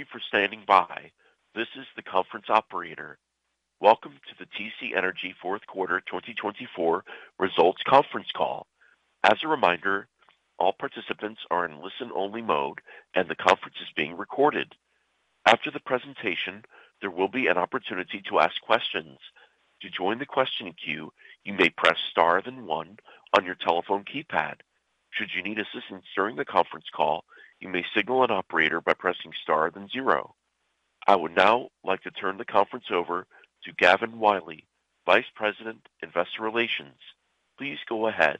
Thank you for standing by. This is the conference operator. Welcome to the TC Energy Fourth Quarter 2024 Results Conference Call. As a reminder, all participants are in listen-only mode, and the conference is being recorded. After the presentation, there will be an opportunity to ask questions. To join the question queue, you may press star then one on your telephone keypad. Should you need assistance during the conference call, you may signal an operator by pressing star then zero. I would now like to turn the conference over to Gavin Wylie, Vice President, Investor Relations. Please go ahead.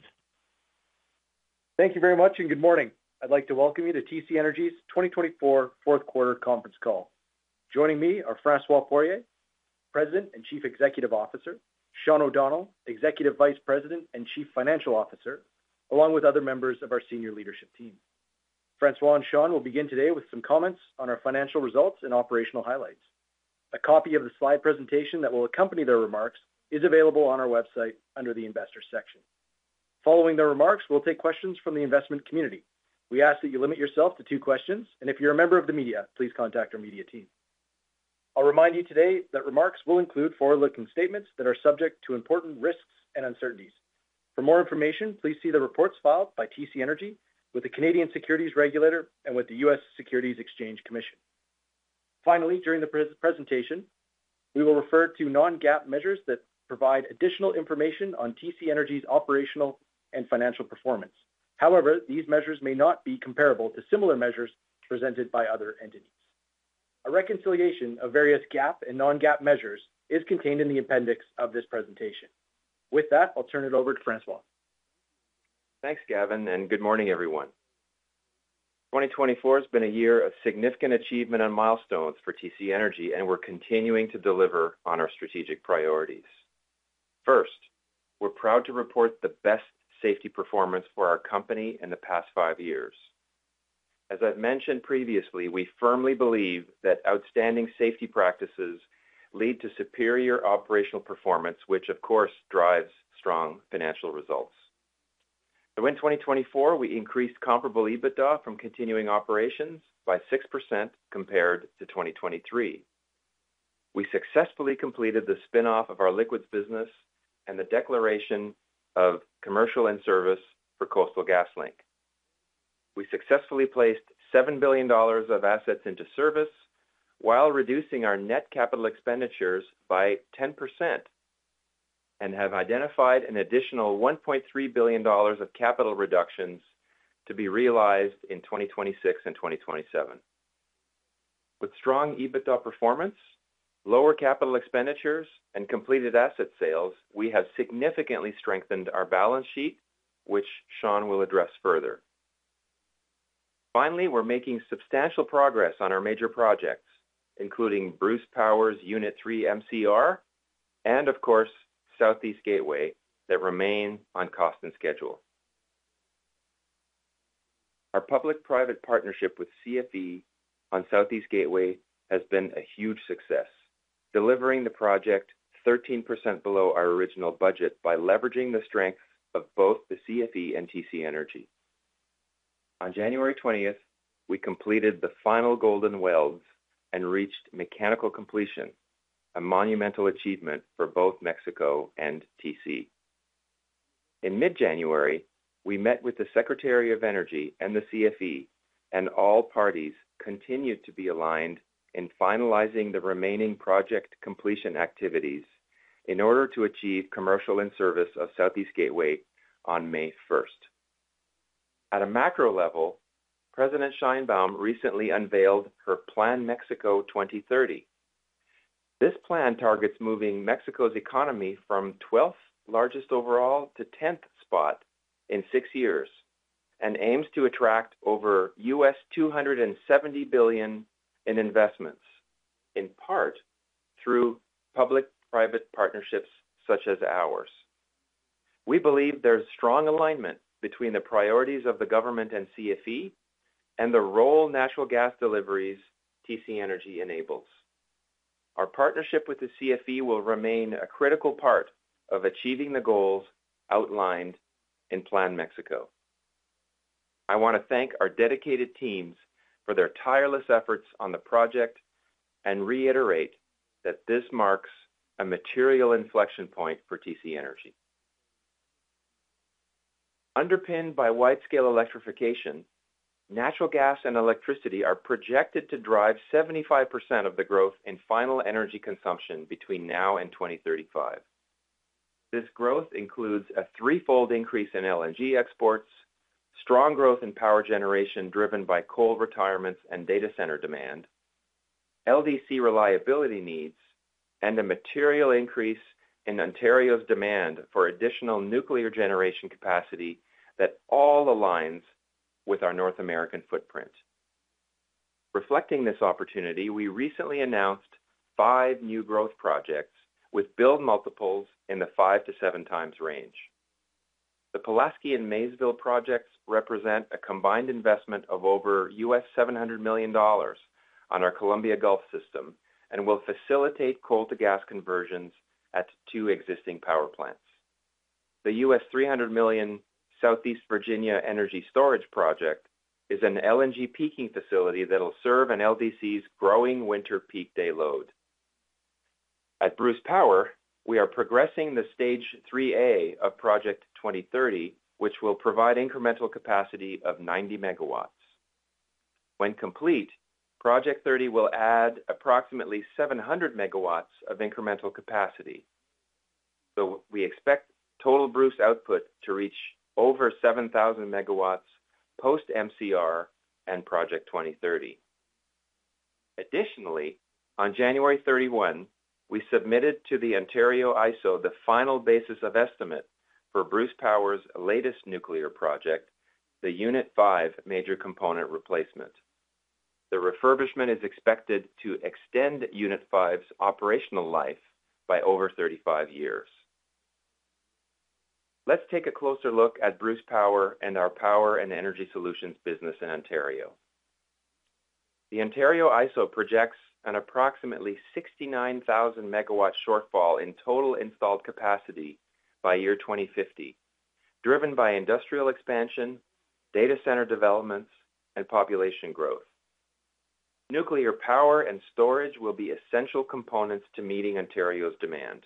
Thank you very much and good morning. I'd like to welcome you to TC Energy's 2024 Fourth Quarter Conference Call. Joining me are François Poirier, President and Chief Executive Officer, Sean O'Donnell, Executive Vice President and Chief Financial Officer, along with other members of our senior leadership team. François and Sean will begin today with some comments on our financial results and operational highlights. A copy of the slide presentation that will accompany their remarks is available on our website under the Investor section. Following their remarks, we'll take questions from the investment community. We ask that you limit yourself to two questions, and if you're a member of the media, please contact our media team. I'll remind you today that remarks will include forward-looking statements that are subject to important risks and uncertainties. For more information, please see the reports filed by TC Energy with the Canadian Securities Regulator and with the U.S. Securities Exchange Commission. Finally, during the presentation, we will refer to non-GAAP measures that provide additional information on TC Energy's operational and financial performance. However, these measures may not be comparable to similar measures presented by other entities. A reconciliation of various GAAP and non-GAAP measures is contained in the appendix of this presentation. With that, I'll turn it over to François. Thanks, Gavin, and good morning, everyone. 2024 has been a year of significant achievement and milestones for TC Energy, and we're continuing to deliver on our strategic priorities. First, we're proud to report the best safety performance for our company in the past five years. As I've mentioned previously, we firmly believe that outstanding safety practices lead to superior operational performance, which, of course, drives strong financial results. So in 2024, we increased comparable EBITDA from continuing operations by 6% compared to 2023. We successfully completed the spinoff of our liquids business and the declaration of commercial in-service for Coastal GasLink. We successfully placed $7 billion of assets into service while reducing our net capital expenditures by 10% and have identified an additional $1.3 billion of capital reductions to be realized in 2026 and 2027. With strong EBITDA performance, lower capital expenditures, and completed asset sales, we have significantly strengthened our balance sheet, which Sean will address further. Finally, we're making substantial progress on our major projects, including Bruce Power's Unit 3 MCR and, of course, Southeast Gateway that remain on cost and schedule. Our public-private partnership with CFE on Southeast Gateway has been a huge success, delivering the project 13% below our original budget by leveraging the strengths of both the CFE and TC Energy. On January 20th, we completed the final golden welds and reached mechanical completion, a monumental achievement for both Mexico and TC. In mid-January, we met with the Secretary of Energy and the CFE, and all parties continued to be aligned in finalizing the remaining project completion activities in order to achieve commercial end service of Southeast Gateway on May 1. At a macro level, President Sheinbaum recently unveiled her Plan Mexico 2030. This plan targets moving Mexico's economy from 12th largest overall to 10th spot in six years and aims to attract over $270 billion in investments, in part through public-private partnerships such as ours. We believe there's strong alignment between the priorities of the government and CFE and the role natural gas deliveries TC Energy enables. Our partnership with the CFE will remain a critical part of achieving the goals outlined in Plan Mexico. I want to thank our dedicated teams for their tireless efforts on the project and reiterate that this marks a material inflection point for TC Energy. Underpinned by wide-scale electrification, natural gas and electricity are projected to drive 75% of the growth in final energy consumption between now and 2035. This growth includes a threefold increase in LNG exports, strong growth in power generation driven by coal retirements and data center demand, LDC reliability needs, and a material increase in Ontario's demand for additional nuclear generation capacity that all aligns with our North American footprint. Reflecting this opportunity, we recently announced five new growth projects with build multiples in the five to seven times range. The Pulaski and Maysville projects represent a combined investment of over $700 million on our Columbia Gulf system and will facilitate coal-to-gas conversions at two existing power plants. The $300 million Southeast Virginia Energy Storage Project is an LNG peaking facility that'll serve an LDC's growing winter peak day load. At Bruce Power, we are progressing the Stage 3A of Project 2030, which will provide incremental capacity of 90 megawatts. When complete, Project 2030 will add approximately 700 megawatts of incremental capacity. We expect total Bruce output to reach over 7,000 megawatts post-MCR and Project 2030. Additionally, on January 31, we submitted to the Ontario ISO the final basis of estimate for Bruce Power's latest nuclear project, the Unit 5 Major Component Replacement. The refurbishment is expected to extend Unit 5's operational life by over 35 years. Let's take a closer look at Bruce Power and our power and energy solutions business in Ontario. The Ontario ISO projects an approximately 69,000-megawatt shortfall in total installed capacity by year 2050, driven by industrial expansion, data center developments, and population growth. Nuclear power and storage will be essential components to meeting Ontario's demand.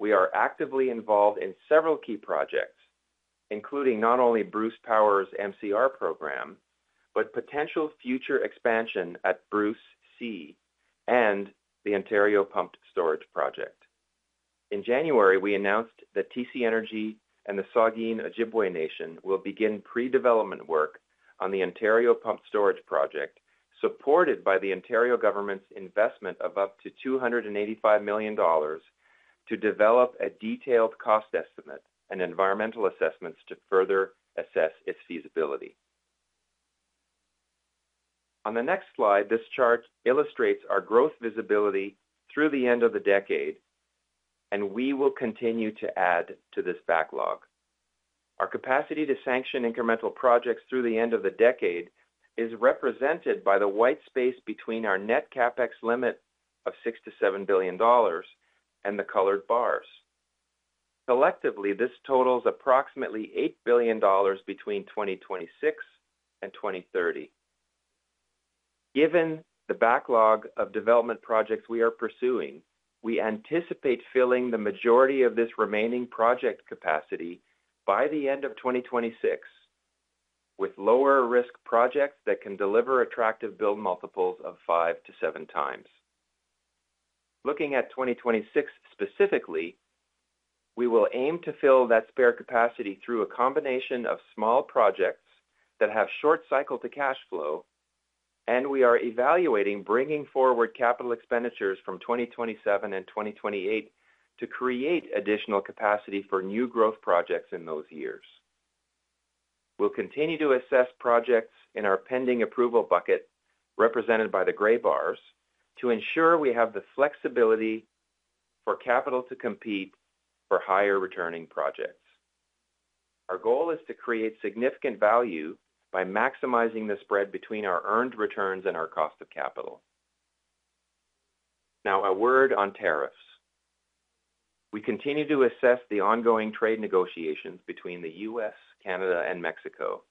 We are actively involved in several key projects, including not only Bruce Power's MCR program, but potential future expansion at Bruce C and the Ontario Pumped Storage Project. In January, we announced that TC Energy and the Saugeen Ojibway Nation will begin pre-development work on the Ontario Pumped Storage Project, supported by the Ontario government's investment of up to 285 million dollars to develop a detailed cost estimate and environmental assessments to further assess its feasibility. On the next slide, this chart illustrates our growth visibility through the end of the decade, and we will continue to add to this backlog. Our capacity to sanction incremental projects through the end of the decade is represented by the white space between our net CapEx limit of 6 billion-7 billion dollars and the colored bars. Collectively, this totals approximately 8 billion dollars between 2026 and 2030. Given the backlog of development projects we are pursuing, we anticipate filling the majority of this remaining project capacity by the end of 2026 with lower-risk projects that can deliver attractive build multiples of five to seven times. Looking at 2026 specifically, we will aim to fill that spare capacity through a combination of small projects that have short cycle to cash flow, and we are evaluating bringing forward capital expenditures from 2027 and 2028 to create additional capacity for new growth projects in those years. We'll continue to assess projects in our pending approval bucket, represented by the gray bars, to ensure we have the flexibility for capital to compete for higher returning projects. Our goal is to create significant value by maximizing the spread between our earned returns and our cost of capital. Now, a word on tariffs. We continue to assess the ongoing trade negotiations between the U.S., Canada, and Mexico.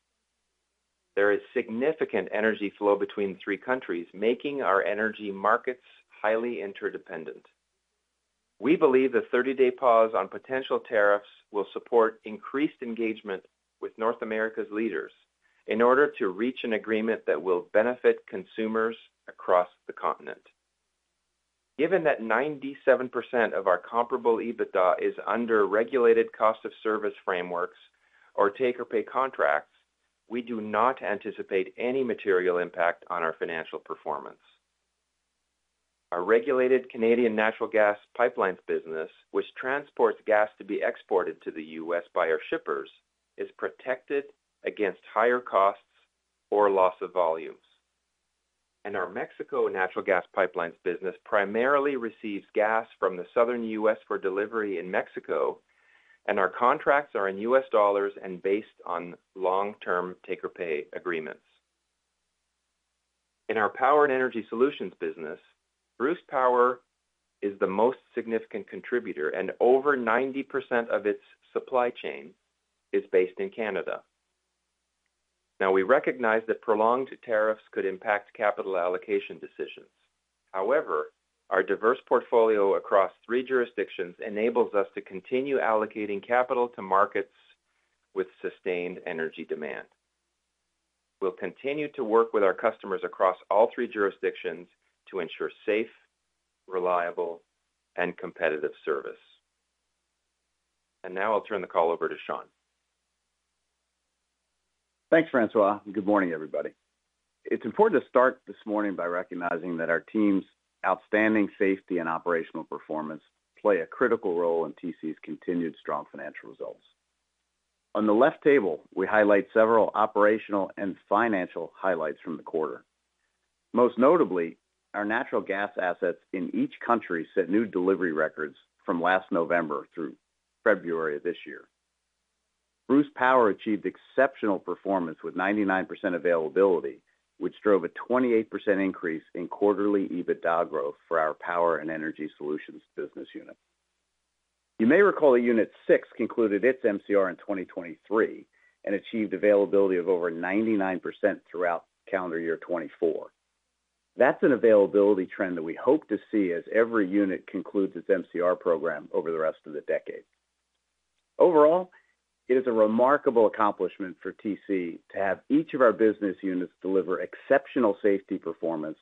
There is significant energy flow between the three countries, making our energy markets highly interdependent. We believe the 30-day pause on potential tariffs will support increased engagement with North America's leaders in order to reach an agreement that will benefit consumers across the continent. Given that 97% of our comparable EBITDA is under regulated cost of service frameworks or take-or-pay contracts, we do not anticipate any material impact on our financial performance. Our regulated Canadian natural gas pipelines business, which transports gas to be exported to the U.S. by our shippers, is protected against higher costs or loss of volumes, and our Mexico natural gas pipelines business primarily receives gas from the southern U.S. for delivery in Mexico, and our contracts are in U.S. dollars and based on long-term take-or-pay agreements. In our power and energy solutions business, Bruce Power is the most significant contributor, and over 90% of its supply chain is based in Canada. Now, we recognize that prolonged tariffs could impact capital allocation decisions. However, our diverse portfolio across three jurisdictions enables us to continue allocating capital to markets with sustained energy demand. We'll continue to work with our customers across all three jurisdictions to ensure safe, reliable, and competitive service. And now I'll turn the call over to Sean. Thanks, Francois. Good morning, everybody. It's important to start this morning by recognizing that our team's outstanding safety and operational performance play a critical role in TC's continued strong financial results. On the left table, we highlight several operational and financial highlights from the quarter. Most notably, our natural gas assets in each country set new delivery records from last November through February of this year. Bruce Power achieved exceptional performance with 99% availability, which drove a 28% increase in quarterly EBITDA growth for our power and energy solutions business unit. You may recall that Unit 6 concluded its MCR in 2023 and achieved availability of over 99% throughout calendar year 2024. That's an availability trend that we hope to see as every unit concludes its MCR program over the rest of the decade. Overall, it is a remarkable accomplishment for TC to have each of our business units deliver exceptional safety performance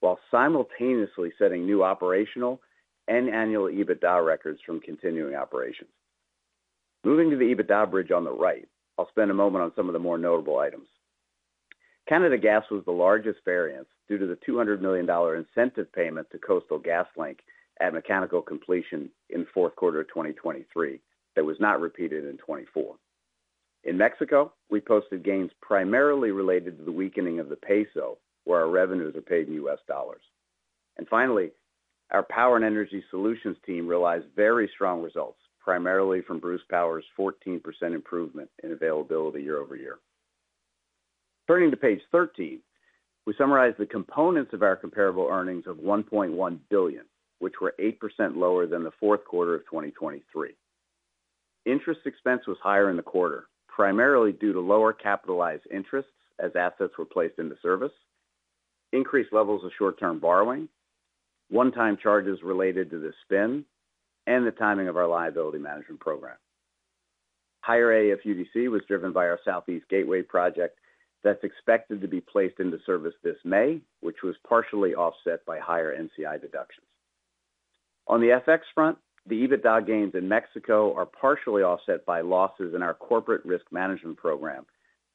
while simultaneously setting new operational and annual EBITDA records from continuing operations. Moving to the EBITDA bridge on the right, I'll spend a moment on some of the more notable items. Canada Gas was the largest variance due to the $200 million incentive payment to Coastal GasLink at mechanical completion in fourth quarter of 2023 that was not repeated in 2024. In Mexico, we posted gains primarily related to the weakening of the peso, where our revenues are paid in U.S. dollars, and finally, our power and energy solutions team realized very strong results, primarily from Bruce Power's 14% improvement in availability year over year. Turning to page 13, we summarize the components of our comparable earnings of $1.1 billion, which were 8% lower than the fourth quarter of 2023. Interest expense was higher in the quarter, primarily due to lower capitalized interests as assets were placed into service, increased levels of short-term borrowing, one-time charges related to the spin, and the timing of our liability management program. Higher AFUDC was driven by our Southeast Gateway project that's expected to be placed into service this May, which was partially offset by higher NCI deductions. On the FX front, the EBITDA gains in Mexico are partially offset by losses in our corporate risk management program,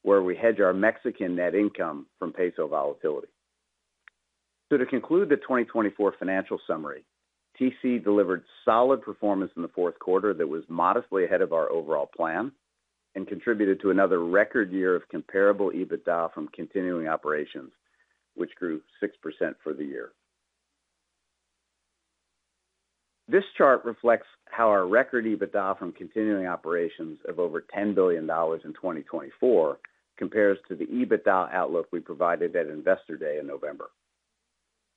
where we hedge our Mexican net income from peso volatility. So to conclude the 2024 financial summary, TC delivered solid performance in the fourth quarter that was modestly ahead of our overall plan and contributed to another record year of comparable EBITDA from continuing operations, which grew 6% for the year. This chart reflects how our record EBITDA from continuing operations of over $10 billion in 2024 compares to the EBITDA outlook we provided at Investor Day in November.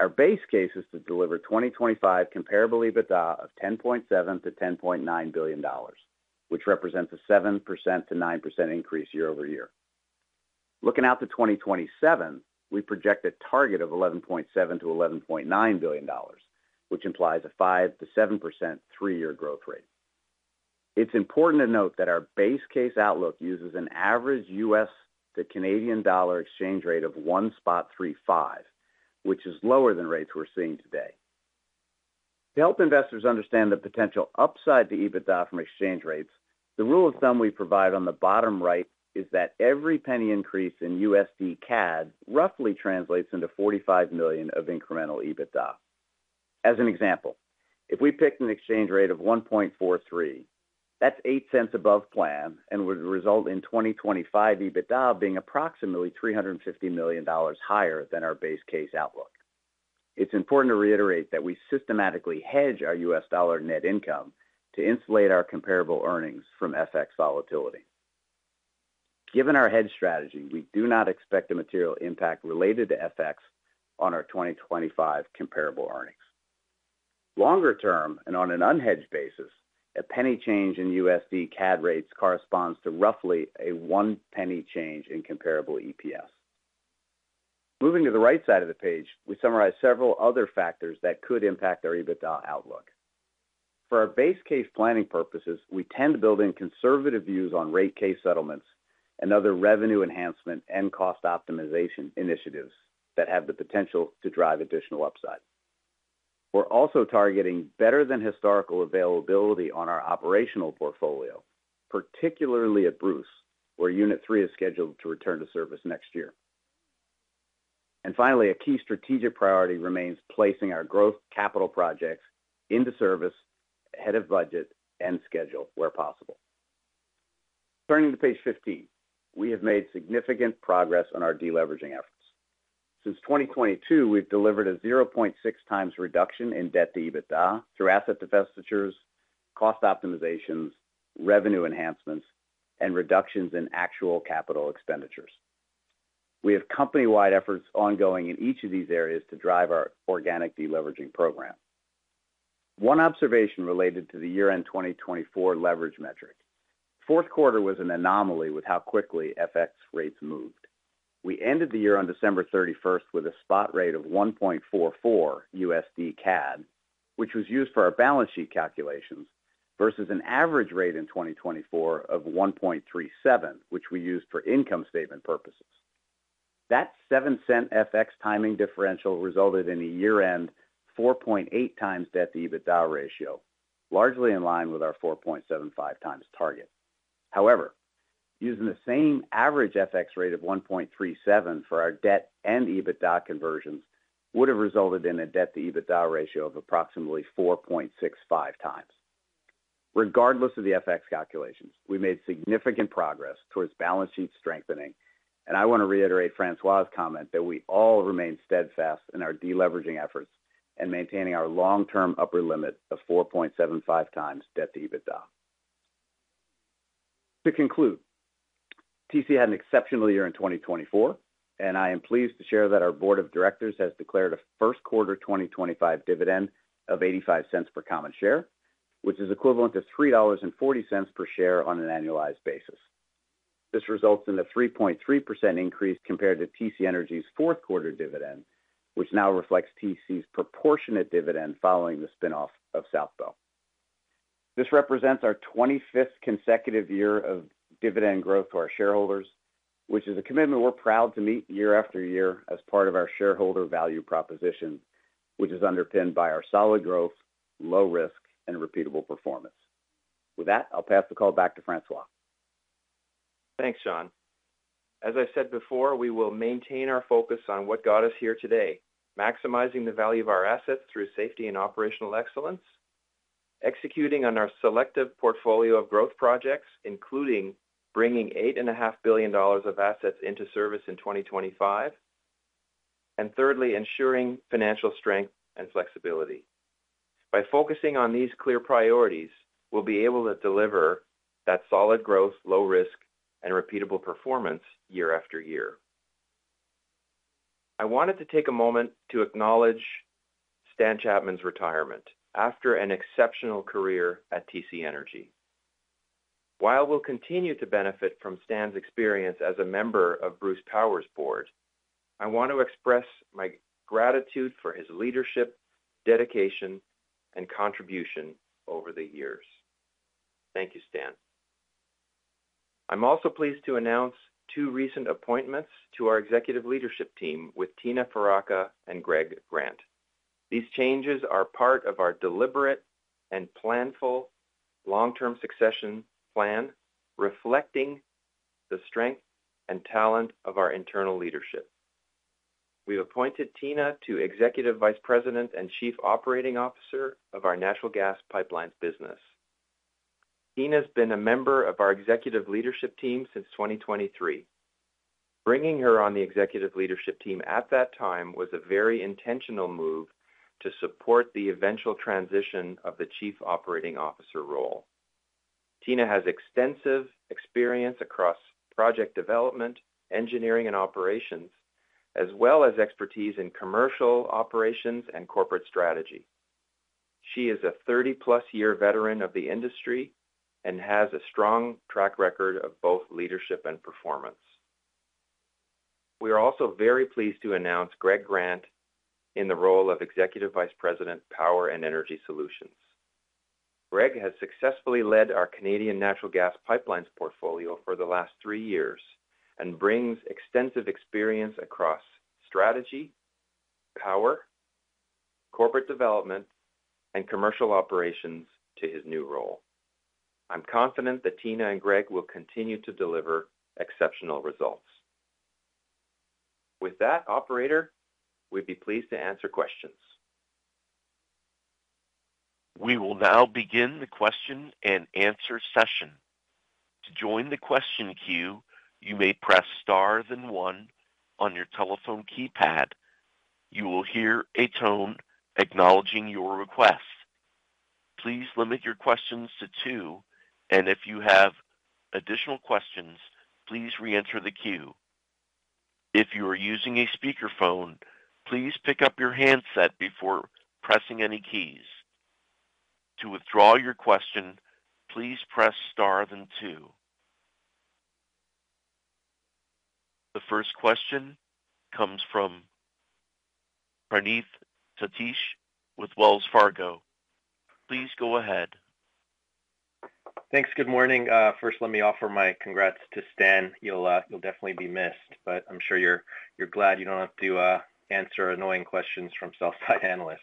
Our base case is to deliver 2025 comparable EBITDA of $10.7-$10.9 billion, which represents a 7%-9% increase year over year. Looking out to 2027, we project a target of $11.7-$11.9 billion, which implies a 5%-7% three-year growth rate. It's important to note that our base case outlook uses an average U.S. to Canadian dollar exchange rate of 1.35, which is lower than rates we're seeing today. To help investors understand the potential upside to EBITDA from exchange rates, the rule of thumb we provide on the bottom right is that every penny increase in USD/CAD roughly translates into $45 million of incremental EBITDA. As an example, if we picked an exchange rate of 1.43, that's 8 cents above plan and would result in 2025 EBITDA being approximately $350 million higher than our base case outlook. It's important to reiterate that we systematically hedge our US dollar net income to insulate our comparable earnings from FX volatility. Given our hedge strategy, we do not expect a material impact related to FX on our 2025 comparable earnings. Longer term, and on an unhedged basis, a penny change in USD/CAD rates corresponds to roughly a one penny change in comparable EPS. Moving to the right side of the page, we summarize several other factors that could impact our EBITDA outlook. For our base case planning purposes, we tend to build in conservative views on rate case settlements and other revenue enhancement and cost optimization initiatives that have the potential to drive additional upside. We're also targeting better than historical availability on our operational portfolio, particularly at Bruce, where Unit 3 is scheduled to return to service next year. And finally, a key strategic priority remains placing our growth capital projects into service ahead of budget and schedule where possible. Turning to page 15, we have made significant progress on our deleveraging efforts. Since 2022, we've delivered a 0.6 times reduction in debt to EBITDA through asset divestitures, cost optimizations, revenue enhancements, and reductions in actual capital expenditures. We have company-wide efforts ongoing in each of these areas to drive our organic deleveraging program. One observation related to the year-end 2024 leverage metric: fourth quarter was an anomaly with how quickly FX rates moved. We ended the year on December 31 with a spot rate of 1.44 USD CAD, which was used for our balance sheet calculations, versus an average rate in 2024 of 1.37, which we used for income statement purposes. That 0.07 FX timing differential resulted in a year-end 4.8 times debt to EBITDA ratio, largely in line with our 4.75 times target. However, using the same average FX rate of 1.37 for our debt and EBITDA conversions would have resulted in a debt to EBITDA ratio of approximately 4.65 times. Regardless of the FX calculations, we made significant progress towards balance sheet strengthening, and I want to reiterate François' comment that we all remain steadfast in our deleveraging efforts and maintaining our long-term upper limit of 4.75 times debt to EBITDA. To conclude, TC had an exceptional year in 2024, and I am pleased to share that our board of directors has declared a first quarter 2025 dividend of 0.85 per common share, which is equivalent to 3.40 dollars per share on an annualized basis. This results in a 3.3% increase compared to TC Energy's fourth quarter dividend, which now reflects TC's proportionate dividend following the spinoff of South Bow. This represents our 25th consecutive year of dividend growth to our shareholders, which is a commitment we're proud to meet year after year as part of our shareholder value proposition, which is underpinned by our solid growth, low risk, and repeatable performance. With that, I'll pass the call back to François. Thanks, Sean. As I said before, we will maintain our focus on what got us here today: maximizing the value of our assets through safety and operational excellence, executing on our selective portfolio of growth projects, including bringing $8.5 billion of assets into service in 2025, and thirdly, ensuring financial strength and flexibility. By focusing on these clear priorities, we'll be able to deliver that solid growth, low risk, and repeatable performance year after year. I wanted to take a moment to acknowledge Stan Chapman's retirement after an exceptional career at TC Energy. While we'll continue to benefit from Stan's experience as a member of Bruce Power's board, I want to express my gratitude for his leadership, dedication, and contribution over the years. Thank you, Stan. I'm also pleased to announce two recent appointments to our executive leadership team with Tina Faraca and Greg Grant. These changes are part of our deliberate and planful long-term succession plan, reflecting the strength and talent of our internal leadership. We've appointed Tina to Executive Vice President and Chief Operating Officer of our natural gas pipelines business. Tina's been a member of our executive leadership team since 2023. Bringing her on the executive leadership team at that time was a very intentional move to support the eventual transition of the chief operating officer role. Tina has extensive experience across project development, engineering, and operations, as well as expertise in commercial operations and corporate strategy. She is a 30-plus year veteran of the industry and has a strong track record of both leadership and performance. We are also very pleased to announce Greg Grant in the role of Executive Vice President, Power and Energy Solutions. Greg has successfully led our Canadian natural gas pipelines portfolio for the last three years and brings extensive experience across strategy, power, corporate development, and commercial operations to his new role. I'm confident that Tina and Greg will continue to deliver exceptional results. With that, Operator, we'd be pleased to answer questions. We will now begin the question and answer session. To join the question queue, you may press stars and one on your telephone keypad. You will hear a tone acknowledging your request. Please limit your questions to two, and if you have additional questions, please re-enter the queue. If you are using a speakerphone, please pick up your handset before pressing any keys. To withdraw your question, please press star then two. The first question comes from Praneeth Satish with Wells Fargo. Please go ahead. Thanks. Good morning. First, let me offer my congrats to Stan. You'll definitely be missed, but I'm sure you're glad you don't have to answer annoying questions from sell-side analysts.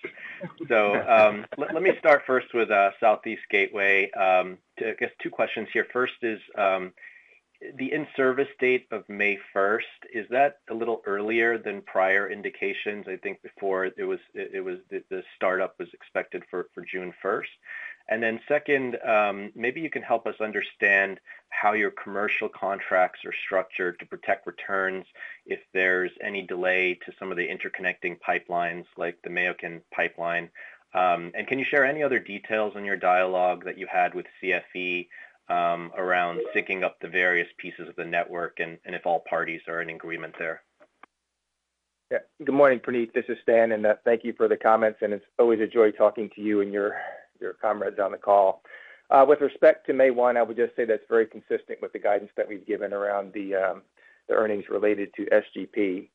So let me start first with Southeast Gateway. I guess two questions here. First is the in-service date of May 1st. Is that a little earlier than prior indications? I think before it was the startup was expected for June 1st. And then second, maybe you can help us understand how your commercial contracts are structured to protect returns if there's any delay to some of the interconnecting pipelines like the Mayakan pipeline. And can you share any other details on your dialogue that you had with CFE around syncing up the various pieces of the network and if all parties are in agreement there? Yeah. Good morning, Praneeth. This is Stan, and thank you for the comments, and it's always a joy talking to you and your comrades on the call. With respect to May 1, I would just say that's very consistent with the guidance that we've given around the earnings related to SGP.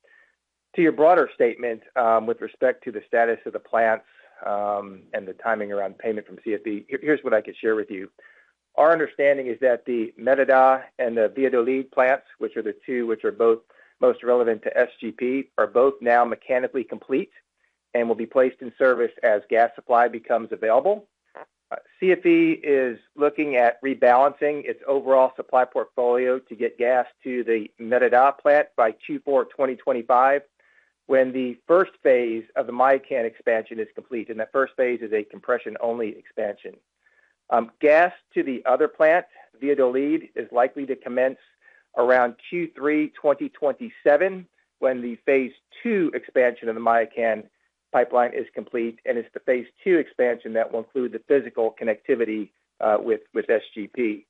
To your broader statement, with respect to the status of the plants and the timing around payment from CFE, here's what I could share with you. Our understanding is that the Mérida and the Valladolid plants, which are the two which are both most relevant to SGP, are both now mechanically complete and will be placed in service as gas supply becomes available. CFE is looking at rebalancing its overall supply portfolio to get gas to the Mérida plant by Q4 2025 when the first phase of the Mayakan expansion is complete. That first phase is a compression-only expansion. Gas to the other plant, Valladolid, is likely to commence around Q3 2027 when the phase two expansion of the Mayakan pipeline is complete, and it's the phase two expansion that will include the physical connectivity with SGP.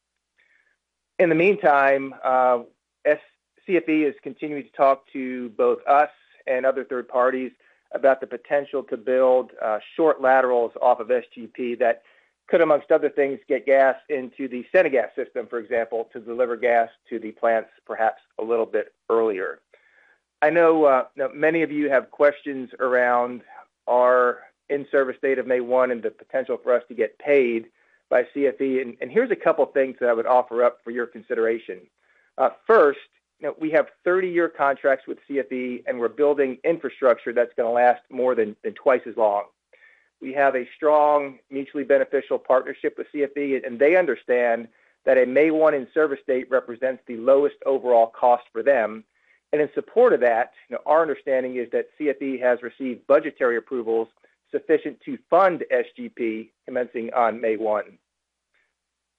In the meantime, CFE is continuing to talk to both us and other third parties about the potential to build short laterals off of SGP that could, among other things, get gas into the CENAGAS system, for example, to deliver gas to the plants perhaps a little bit earlier. I know many of you have questions around our in-service date of May 1 and the potential for us to get paid by CFE, and here's a couple of things that I would offer up for your consideration. First, we have 30-year contracts with CFE, and we're building infrastructure that's going to last more than twice as long. We have a strong mutually beneficial partnership with CFE, and they understand that a May 1 in-service date represents the lowest overall cost for them, and in support of that, our understanding is that CFE has received budgetary approvals sufficient to fund SGP commencing on May 1.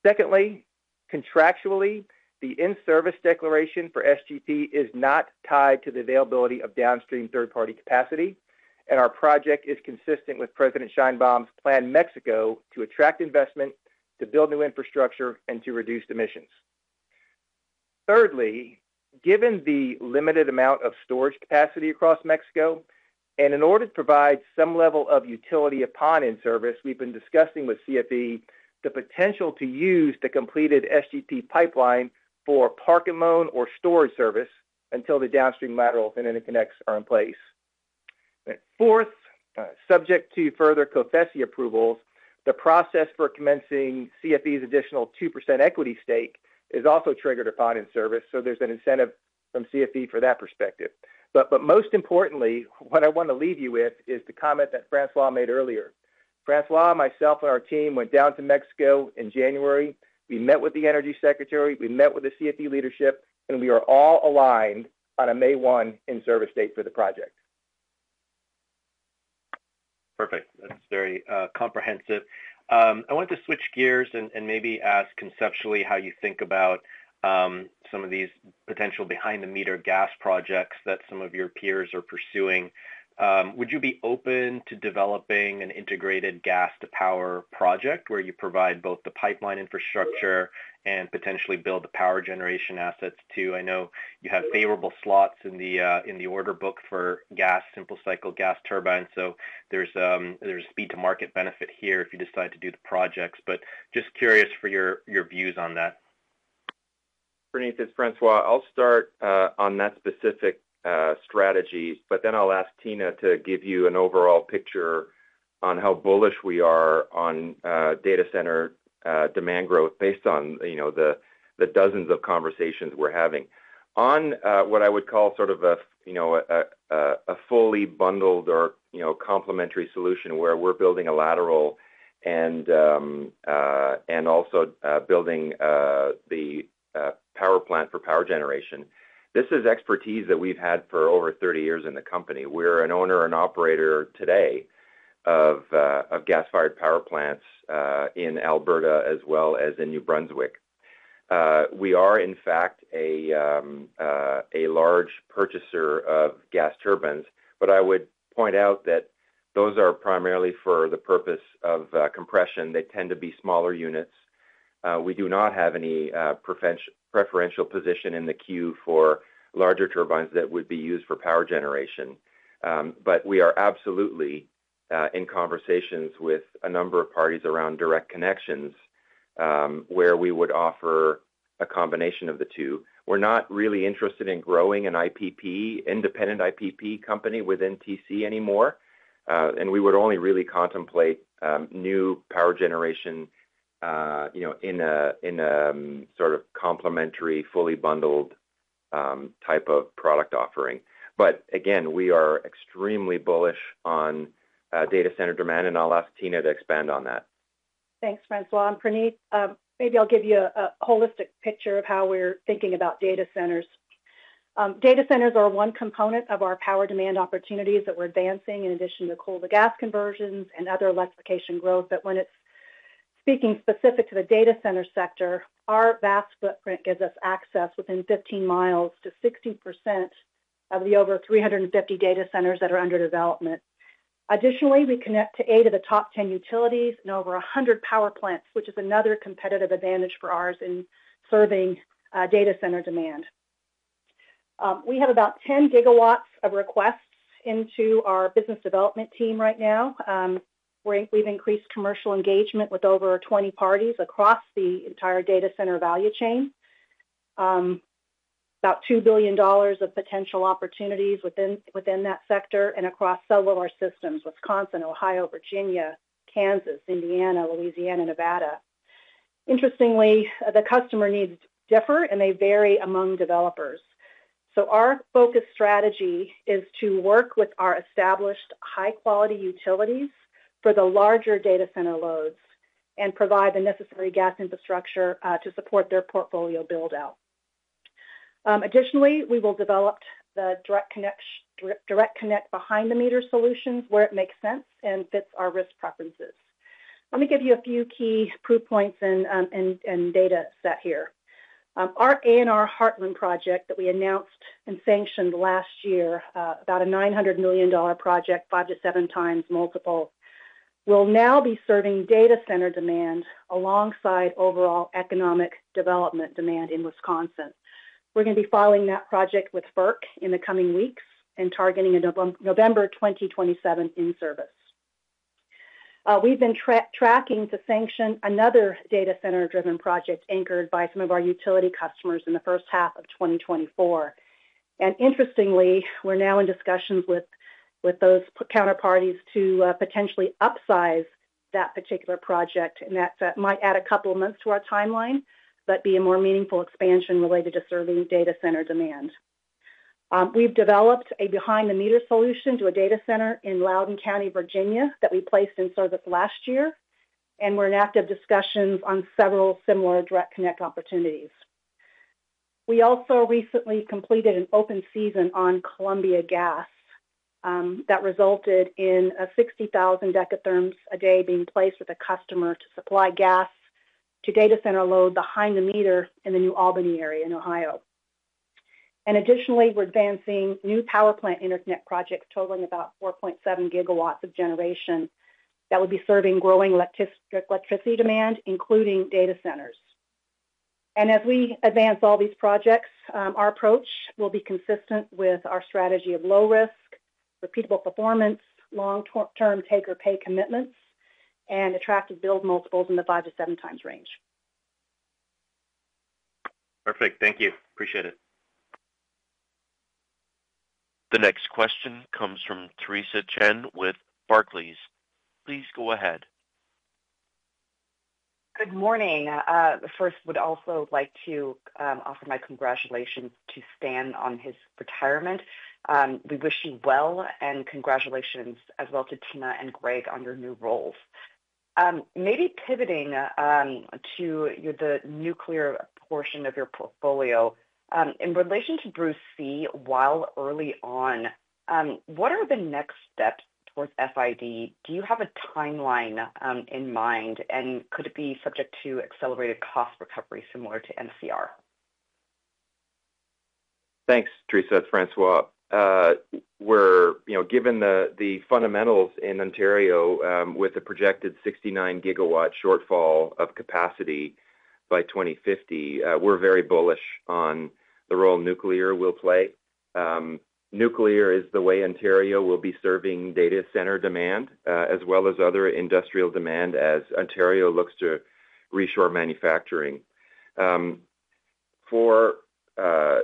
Secondly, contractually, the in-service declaration for SGP is not tied to the availability of downstream third-party capacity, and our project is consistent with President Sheinbaum's plan for Mexico to attract investment, to build new infrastructure, and to reduce emissions. Thirdly, given the limited amount of storage capacity across Mexico, and in order to provide some level of utility upon in-service, we've been discussing with CFE the potential to use the completed SGP pipeline for park and loan or storage service until the downstream laterals and interconnects are in place. Fourth, subject to further COFECE approvals, the process for commencing CFE's additional 2% equity stake is also triggered upon in-service, so there's an incentive from CFE for that perspective. But most importantly, what I want to leave you with is the comment that François made earlier. François, myself, and our team went down to Mexico in January. We met with the Energy Secretary. We met with the CFE leadership, and we are all aligned on a May 1 in-service date for the project. Perfect. That's very comprehensive. I wanted to switch gears and maybe ask conceptually how you think about some of these potential behind-the-meter gas projects that some of your peers are pursuing. Would you be open to developing an integrated gas-to-power project where you provide both the pipeline infrastructure and potentially build the power generation assets too? I know you have favorable slots in the order book for gas simple cycle gas turbines, so there's a speed-to-market benefit here if you decide to do the projects, but just curious for your views on that. Praneeth, it's François. I'll start on that specific strategy, but then I'll ask Tina to give you an overall picture on how bullish we are on data center demand growth based on the dozens of conversations we're having. On what I would call sort of a fully bundled or complementary solution where we're building a lateral and also building the power plant for power generation, this is expertise that we've had for over 30 years in the company. We're an owner and operator today of gas-fired power plants in Alberta as well as in New Brunswick. We are, in fact, a large purchaser of gas turbines, but I would point out that those are primarily for the purpose of compression. They tend to be smaller units. We do not have any preferential position in the queue for larger turbines that would be used for power generation, but we are absolutely in conversations with a number of parties around direct connections where we would offer a combination of the two. We're not really interested in growing an independent IPP company within TC anymore, and we would only really contemplate new power generation in a sort of complementary, fully bundled type of product offering. But again, we are extremely bullish on data center demand, and I'll ask Tina to expand on that. Thanks, François. And Praneeth, maybe I'll give you a holistic picture of how we're thinking about data centers. Data centers are one component of our power demand opportunities that we're advancing in addition to coal-to-gas conversions and other electrification growth. But when it's speaking specific to the data center sector, our vast footprint gives us access within 15 miles to 60% of the over 350 data centers that are under development. Additionally, we connect to eight of the top 10 utilities and over 100 power plants, which is another competitive advantage for ours in serving data center demand. We have about 10 gigawatts of requests into our business development team right now. We've increased commercial engagement with over 20 parties across the entire data center value chain, about $2 billion of potential opportunities within that sector and across several of our systems: Wisconsin, Ohio, Virginia, Kansas, Indiana, Louisiana, Nevada. Interestingly, the customer needs differ, and they vary among developers. Our focus strategy is to work with our established high-quality utilities for the larger data center loads and provide the necessary gas infrastructure to support their portfolio build-out. Additionally, we will develop the direct connect behind-the-meter solutions where it makes sense and fits our risk preferences. Let me give you a few key proof points and data set here. Our ANR Heartland Project that we announced and sanctioned last year, about a $900 million project, five- to seven-times multiple, will now be serving data center demand alongside overall economic development demand in Wisconsin. We're going to be filing that project with FERC in the coming weeks and targeting a November 2027 in-service. We've been tracking to sanction another data center-driven project anchored by some of our utility customers in the first half of 2024. Interestingly, we're now in discussions with those counterparties to potentially upsize that particular project, and that might add a couple of months to our timeline, but be a more meaningful expansion related to serving data center demand. We've developed a behind-the-meter solution to a data center in Loudoun County, Virginia, that we placed in service last year, and we're in active discussions on several similar direct connect opportunities. We also recently completed an open season on Columbia Gas that resulted in a 60,000 dekatherms a day being placed with a customer to supply gas to data center load behind the meter in the New Albany area in Ohio. Additionally, we're advancing new power plant interconnect projects totaling about 4.7 gigawatts of generation that will be serving growing electricity demand, including data centers. As we advance all these projects, our approach will be consistent with our strategy of low risk, repeatable performance, long-term take or pay commitments, and attractive build multiples in the five to seven times range. Perfect. Thank you. Appreciate it. The next question comes from Theresa Chen with Barclays. Please go ahead. Good morning. First, I would also like to offer my congratulations to Stan on his retirement. We wish you well, and congratulations as well to Tina and Greg on your new roles. Maybe pivoting to the nuclear portion of your portfolio, in relation to Bruce C, while early on, what are the next steps towards FID? Do you have a timeline in mind, and could it be subject to accelerated cost recovery similar to MCR? Thanks, Teresa and François. Given the fundamentals in Ontario with the projected 69 gigawatt shortfall of capacity by 2050, we're very bullish on the role nuclear will play. Nuclear is the way Ontario will be serving data center demand as well as other industrial demand as Ontario looks to reshore manufacturing. For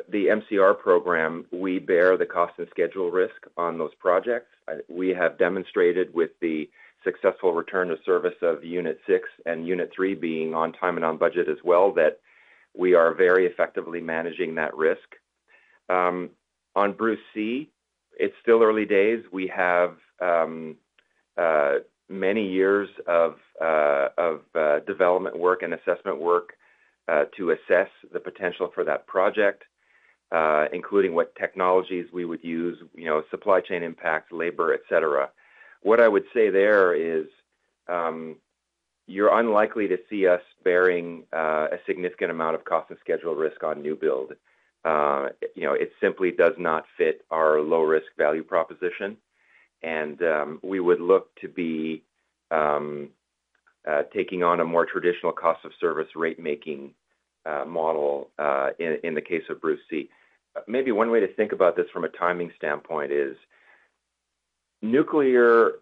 the MCR program, we bear the cost and schedule risk on those projects. We have demonstrated with the successful return to service of unit six and unit three being on time and on budget as well that we are very effectively managing that risk. On Bruce C, it's still early days. We have many years of development work and assessment work to assess the potential for that project, including what technologies we would use, supply chain impact, labor, etc. What I would say there is you're unlikely to see us bearing a significant amount of cost and schedule risk on new build. It simply does not fit our low-risk value proposition, and we would look to be taking on a more traditional cost of service rate-making model in the case of Bruce C. Maybe one way to think about this from a timing standpoint is nuclear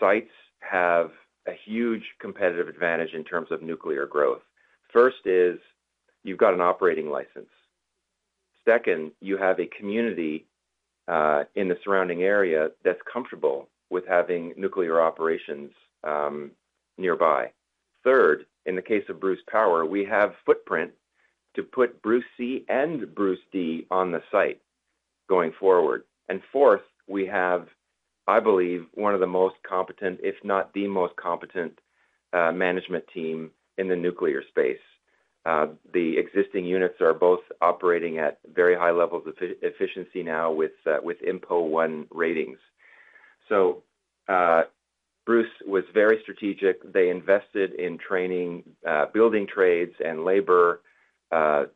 sites have a huge competitive advantage in terms of nuclear growth. First is you've got an operating license. Second, you have a community in the surrounding area that's comfortable with having nuclear operations nearby. Third, in the case of Bruce Power, we have footprint to put Bruce C and Bruce D on the site going forward. And fourth, we have, I believe, one of the most competent, if not the most competent, management team in the nuclear space. The existing units are both operating at very high levels of efficiency now with INPO 1 ratings. So Bruce was very strategic. They invested in training, building trades, and labor to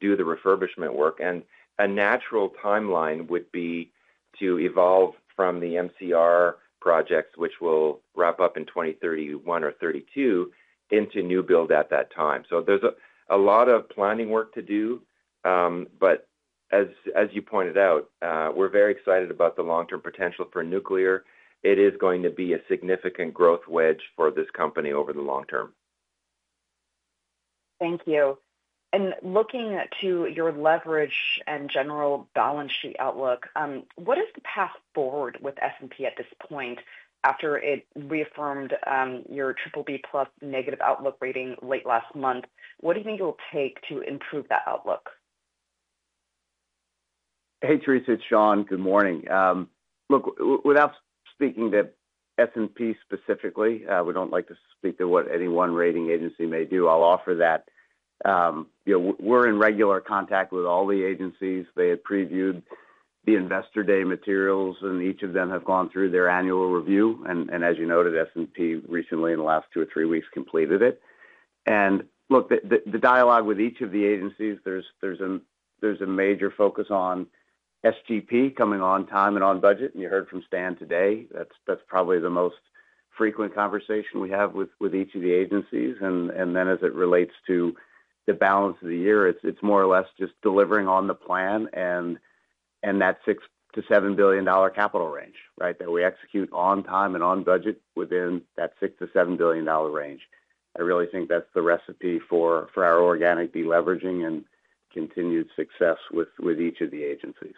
do the refurbishment work. And a natural timeline would be to evolve from the MCR projects, which will wrap up in 2031 or 2032, into new build at that time. So there's a lot of planning work to do, but as you pointed out, we're very excited about the long-term potential for nuclear. It is going to be a significant growth wedge for this company over the long term. Thank you. And looking to your leverage and general balance sheet outlook, what is the path forward with S&P at this point after it reaffirmed your BBB plus negative outlook rating late last month? What do you think it will take to improve that outlook? Hey, Teresa. It's Sean. Good morning. Look, without speaking to S&P specifically, we don't like to speak to what any one rating agency may do. I'll offer that. We're in regular contact with all the agencies. They have previewed the investor day materials, and each of them have gone through their annual review. And as you noted, S&P recently, in the last two or three weeks, completed it. And look, the dialogue with each of the agencies, there's a major focus on SGP coming on time and on budget, and you heard from Stan today. That's probably the most frequent conversation we have with each of the agencies. And then as it relates to the balance of the year, it's more or less just delivering on the plan and that 6-7 billion dollar capital range, right, that we execute on time and on budget within that 6-7 billion dollar range. I really think that's the recipe for our organic deleveraging and continued success with each of the agencies.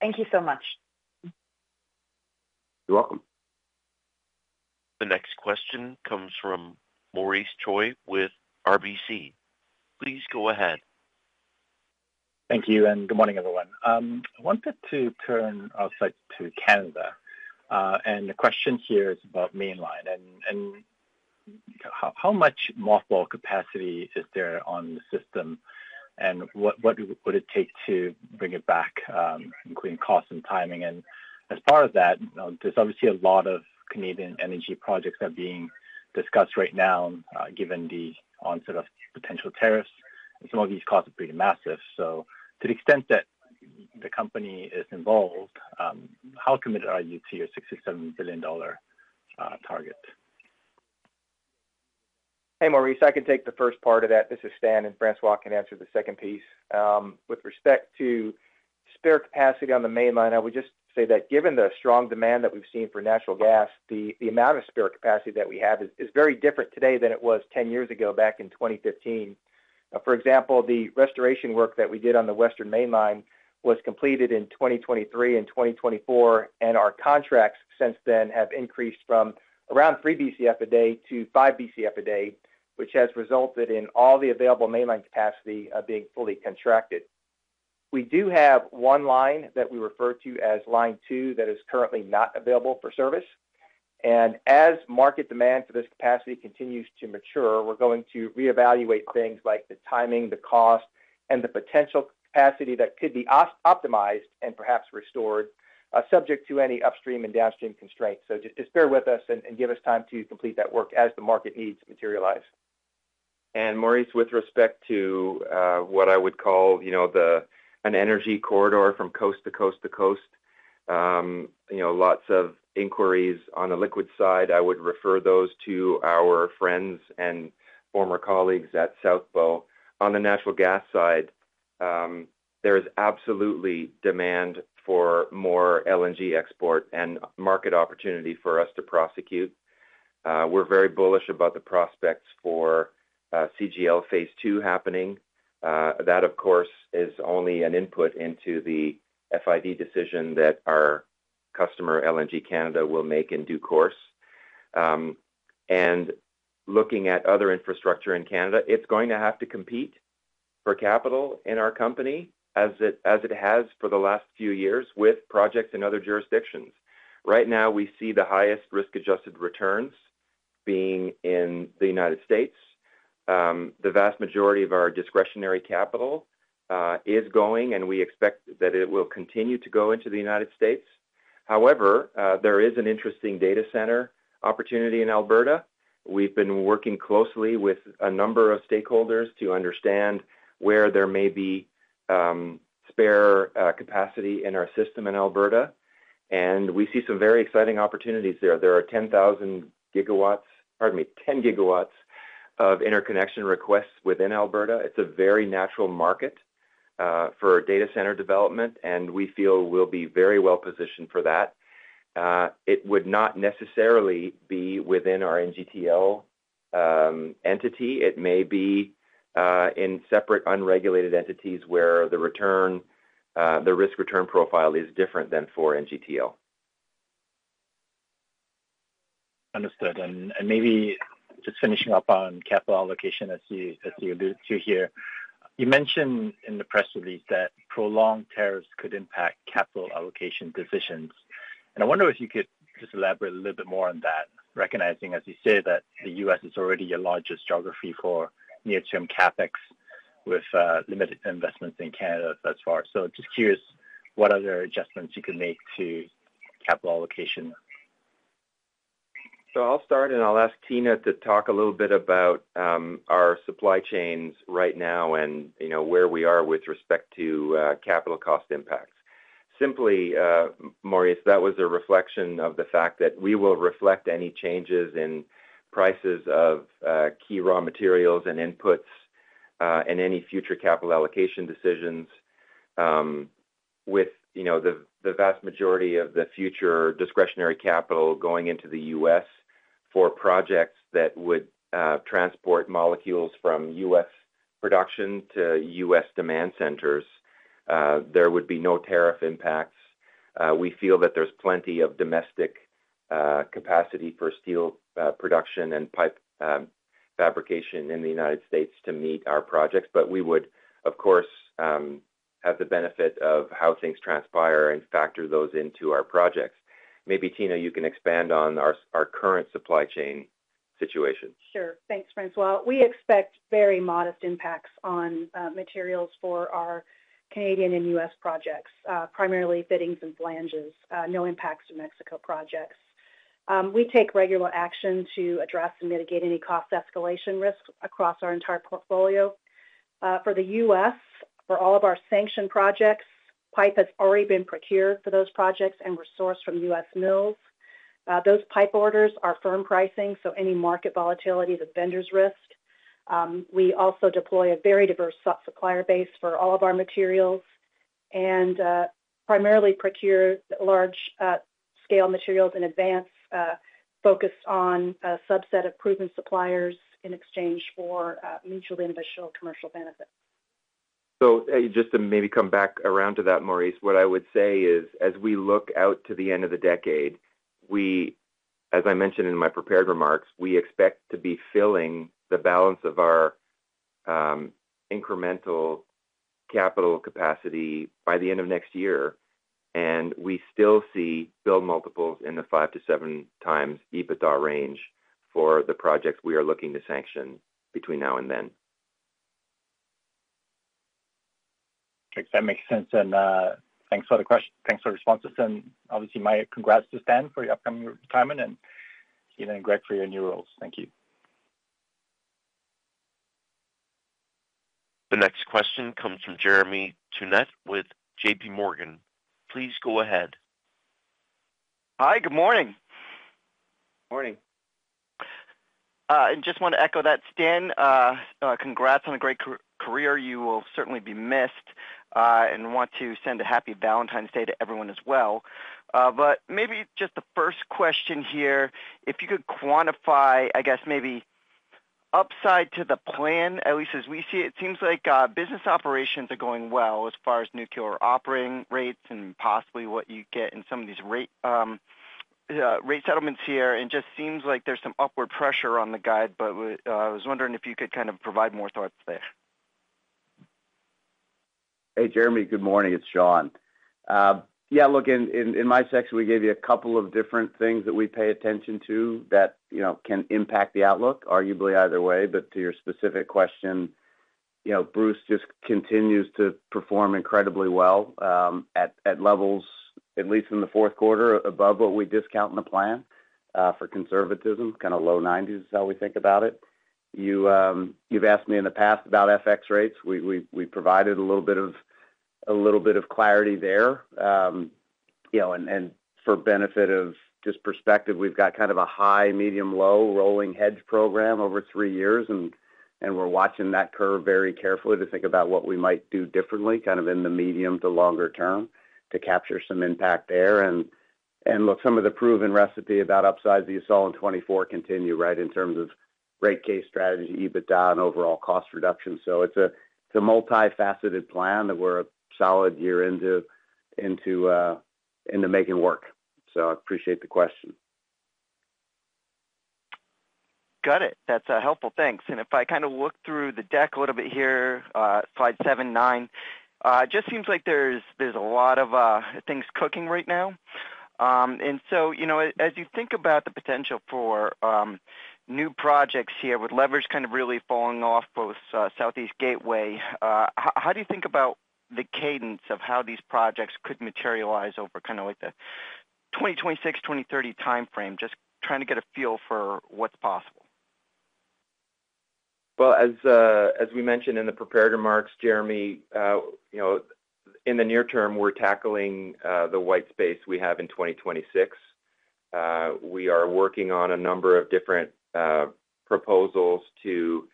Thank you so much. You're welcome. The next question comes from Maurice Choy with RBC. Please go ahead. Thank you, and good morning, everyone. I wanted to turn our sights to Canada, and the question here is about mainline. How much mothball capacity is there on the system, and what would it take to bring it back, including cost and timing? As part of that, there's obviously a lot of Canadian energy projects that are being discussed right now, given the onset of potential tariffs. Some of these costs are pretty massive. To the extent that the company is involved, how committed are you to your 6-7 billion dollar target? Hey, Maurice. I can take the first part of that. This is Stan, and François can answer the second piece. With respect to spare capacity on the mainline, I would just say that given the strong demand that we've seen for natural gas, the amount of spare capacity that we have is very different today than it was 10 years ago back in 2015. For example, the restoration work that we did on the western mainline was completed in 2023 and 2024, and our contracts since then have increased from around three BCF a day to five BCF a day, which has resulted in all the available mainline capacity being fully contracted. We do have one line that we refer to as line two that is currently not available for service. As market demand for this capacity continues to mature, we're going to reevaluate things like the timing, the cost, and the potential capacity that could be optimized and perhaps restored, subject to any upstream and downstream constraints. Just bear with us and give us time to complete that work as the market needs materialize. And Maurice, with respect to what I would call an energy corridor from coast to coast to coast, lots of inquiries on the liquid side. I would refer those to our friends and former colleagues at South Bow. On the natural gas side, there is absolutely demand for more LNG export and market opportunity for us to prosecute. We're very bullish about the prospects for CGL phase two happening. That, of course, is only an input into the FID decision that our customer, LNG Canada, will make in due course. And looking at other infrastructure in Canada, it's going to have to compete for capital in our company as it has for the last few years with projects in other jurisdictions. Right now, we see the highest risk-adjusted returns being in the United States. The vast majority of our discretionary capital is going, and we expect that it will continue to go into the United States. However, there is an interesting data center opportunity in Alberta. We've been working closely with a number of stakeholders to understand where there may be spare capacity in our system in Alberta, and we see some very exciting opportunities there. There are 10,000 gigawatts, pardon me, 10 gigawatts of interconnection requests within Alberta. It's a very natural market for data center development, and we feel we'll be very well positioned for that. It would not necessarily be within our NGTL entity. It may be in separate unregulated entities where the risk return profile is different than for NGTL. Understood. And maybe just finishing up on capital allocation, as you alluded to here, you mentioned in the press release that prolonged tariffs could impact capital allocation decisions. And I wonder if you could just elaborate a little bit more on that, recognizing, as you say, that the U.S. is already your largest geography for near-term CapEx with limited investments in Canada thus far. So just curious what other adjustments you could make to capital allocation? So I'll start, and I'll ask Tina to talk a little bit about our supply chains right now and where we are with respect to capital cost impacts. Simply, Maurice, that was a reflection of the fact that we will reflect any changes in prices of key raw materials and inputs in any future capital allocation decisions, with the vast majority of the future discretionary capital going into the U.S. for projects that would transport molecules from U.S. production to U.S. demand centers. There would be no tariff impacts. We feel that there's plenty of domestic capacity for steel production and pipe fabrication in the United States to meet our projects, but we would, of course, have the benefit of how things transpire and factor those into our projects. Maybe Tina, you can expand on our current supply chain situation. Sure. Thanks, François. We expect very modest impacts on materials for our Canadian and U.S. projects, primarily fittings and flanges. No impacts to Mexico projects. We take regular action to address and mitigate any cost escalation risk across our entire portfolio. For the U.S., for all of our sanctioned projects, pipe has already been procured for those projects and sourced from U.S. mills. Those pipe orders are firm pricing, so any market volatility that vendors risk. We also deploy a very diverse supplier base for all of our materials and primarily procure large-scale materials in advance, focused on a subset of proven suppliers in exchange for mutually beneficial commercial benefit. So just to maybe come back around to that, Maurice, what I would say is, as we look out to the end of the decade, as I mentioned in my prepared remarks, we expect to be filling the balance of our incremental capital capacity by the end of next year, and we still see build multiples in the five to seven times EBITDA range for the projects we are looking to sanction between now and then. That makes sense. And thanks for the question. Thanks for the responses. And obviously, my congrats to Stan for your upcoming retirement and Evan and Greg for your new roles. Thank you. The next question comes from Jeremy Tonet with J.P. Morgan. Please go ahead. Hi. Good morning. Morning. I just want to echo that, Stan. Congrats on a great career. You will certainly be missed, and I want to send a happy Valentine's Day to everyone as well. Maybe just the first question here, if you could quantify, I guess, maybe upside to the plan, at least as we see it. It seems like business operations are going well as far as nuclear operating rates and possibly what you get in some of these rate settlements here. It just seems like there's some upward pressure on the guide, but I was wondering if you could kind of provide more thoughts there. Hey, Jeremy. Good morning. It's Sean. Yeah, look, in my section, we gave you a couple of different things that we pay attention to that can impact the outlook, arguably either way. But to your specific question, Bruce just continues to perform incredibly well at levels, at least in the fourth quarter, above what we discount in the plan for conservatism. Kind of low 90s is how we think about it. You've asked me in the past about FX rates. We provided a little bit of clarity there. And for benefit of just perspective, we've got kind of a high, medium, low rolling hedge program over three years, and we're watching that curve very carefully to think about what we might do differently, kind of in the medium to longer term, to capture some impact there. Look, some of the proven recipe about upsides that you saw in 2024 continue, right, in terms of rate case strategy, EBITDA, and overall cost reduction. It's a multifaceted plan that we're a solid year into making work. I appreciate the question. Got it. That's helpful. Thanks. And if I kind of look through the deck a little bit here, slide seven, nine, it just seems like there's a lot of things cooking right now. And so as you think about the potential for new projects here with leverage kind of really falling off both Southeast Gateway, how do you think about the cadence of how these projects could materialize over kind of like the 2026, 2030 timeframe, just trying to get a feel for what's possible? As we mentioned in the prepared remarks, Jeremy, in the near term, we're tackling the white space we have in 2026. We are working on a number of different proposals to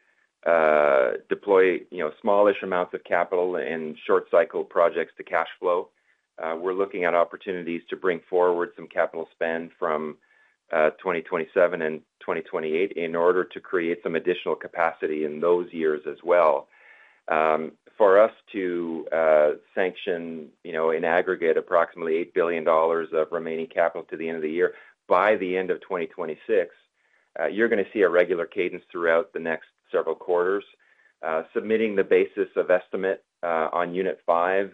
deploy smallish amounts of capital in short-cycle projects to cash flow. We're looking at opportunities to bring forward some capital spend from 2027 and 2028 in order to create some additional capacity in those years as well. For us to sanction in aggregate approximately $8 billion of remaining capital to the end of the year, by the end of 2026, you're going to see a regular cadence throughout the next several quarters. Submitting the Basis of Estimate on Unit 5,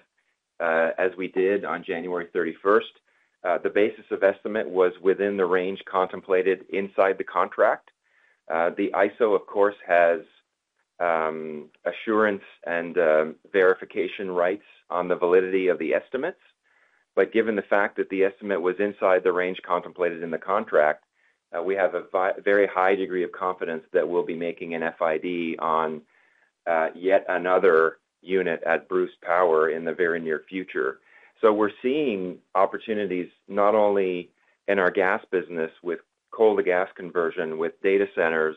as we did on January 31st, the Basis of Estimate was within the range contemplated inside the contract. The IESO, of course, has assurance and verification rights on the validity of the estimates. But given the fact that the estimate was inside the range contemplated in the contract, we have a very high degree of confidence that we'll be making an FID on yet another unit at Bruce Power in the very near future. So we're seeing opportunities not only in our gas business with coal-to-gas conversion, with data centers,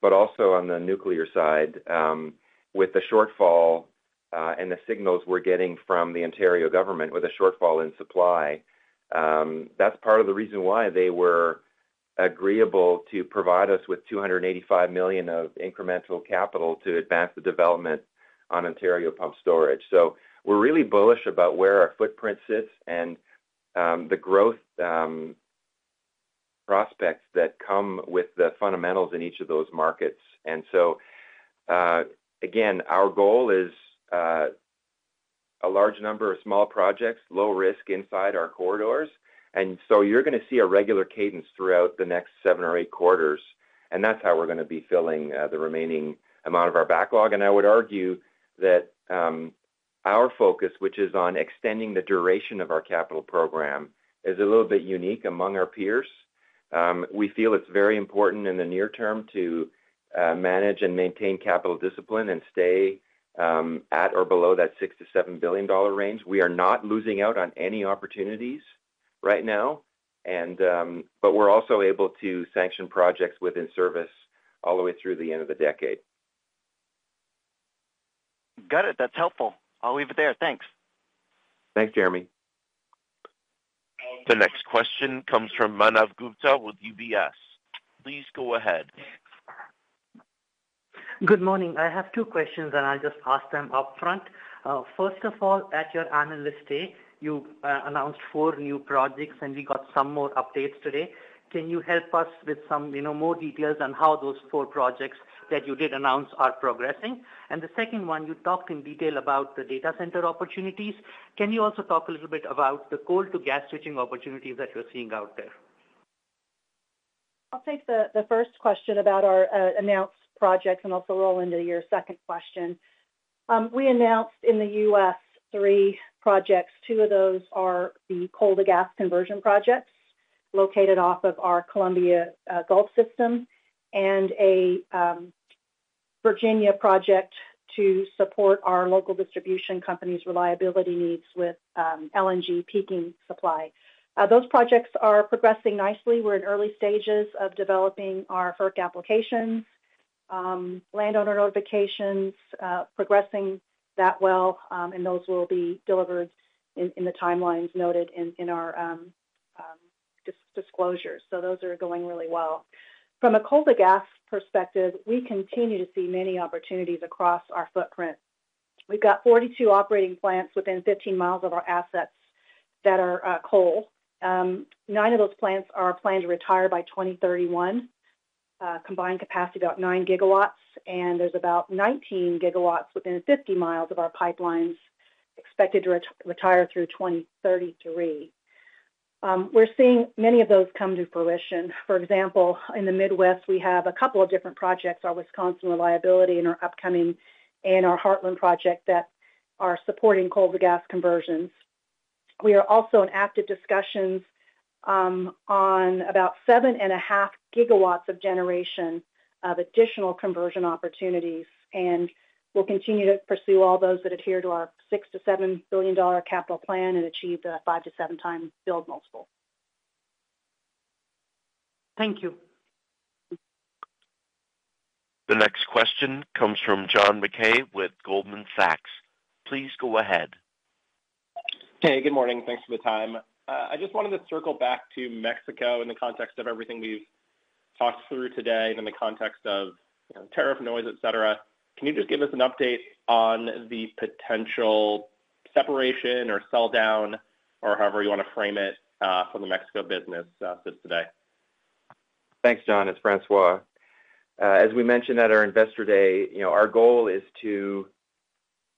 but also on the nuclear side, with the shortfall and the signals we're getting from the Ontario government with a shortfall in supply. That's part of the reason why they were agreeable to provide us with 285 million of incremental capital to advance the development on Ontario Pumped Storage. So we're really bullish about where our footprint sits and the growth prospects that come with the fundamentals in each of those markets. And so, again, our goal is a large number of small projects, low risk inside our corridors. And so you're going to see a regular cadence throughout the next seven or eight quarters. And that's how we're going to be filling the remaining amount of our backlog. And I would argue that our focus, which is on extending the duration of our capital program, is a little bit unique among our peers. We feel it's very important in the near term to manage and maintain capital discipline and stay at or below that $6-$7 billion range. We are not losing out on any opportunities right now, but we're also able to sanction projects within service all the way through the end of the decade. Got it. That's helpful. I'll leave it there. Thanks. Thanks, Jeremy. The next question comes from Manav Gupta with UBS. Please go ahead. Good morning. I have two questions, and I'll just ask them upfront. First of all, at your anniversary, you announced four new projects, and we got some more updates today. Can you help us with some more details on how those four projects that you did announce are progressing? And the second one, you talked in detail about the data center opportunities. Can you also talk a little bit about the coal-to-gas switching opportunities that you're seeing out there? I'll take the first question about our announced projects and also roll into your second question. We announced in the U.S. three projects. Two of those are the coal-to-gas conversion projects located off of our Columbia Gulf system and a Virginia project to support our local distribution company's reliability needs with LNG peaking supply. Those projects are progressing nicely. We're in early stages of developing our FERC applications. Landowner notifications are progressing that well, and those will be delivered in the timelines noted in our disclosure. So those are going really well. From a coal-to-gas perspective, we continue to see many opportunities across our footprint. We've got 42 operating plants within 15 miles of our assets that are coal. Nine of those plants are planned to retire by 2031. Combined capacity is about 9 gigawatts, and there's about 19 gigawatts within 50 miles of our pipelines expected to retire through 2033. We're seeing many of those come to fruition. For example, in the Midwest, we have a couple of different projects, our Wisconsin Reliability and our Heartland Project that are supporting coal-to-gas conversions. We are also in active discussions on about 7.5 gigawatts of generation of additional conversion opportunities, and we'll continue to pursue all those that adhere to our $6-$7 billion capital plan and achieve the 5-7-time build multiple. Thank you. The next question comes from John Mackay with Goldman Sachs. Please go ahead. Hey, good morning. Thanks for the time. I just wanted to circle back to Mexico in the context of everything we've talked through today and in the context of tariff noise, etc. Can you just give us an update on the potential separation or sell-down, or however you want to frame it, for the Mexico business today? Thanks, John. It's François. As we mentioned at our Investor Day, our goal is to